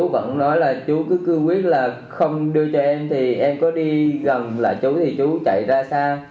vẫn nói là chú cứ cương quyết là không đưa cho em thì em có đi gần là chú thì chú chạy ra xa